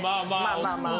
まあまあ。